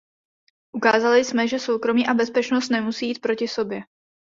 Ukázali jsme, že soukromí a bezpečnost nemusí jít proti sobě.